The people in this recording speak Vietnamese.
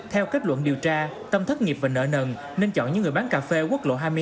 theo kết luận điều tra tâm thất nghiệp và nợ nần nên chọn những người bán cà phê quốc lộ hai mươi năm